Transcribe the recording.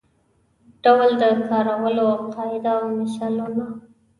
ډول د کارولو قاعده او مثالونه.